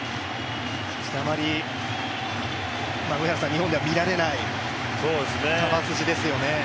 あまり日本では見られない球筋ですよね。